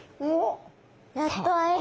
やっと会えるんだ。